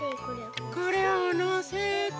これをのせて。